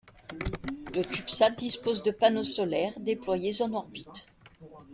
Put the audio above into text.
Le CubeSat dispose de panneaux solaires, déployés en orbite.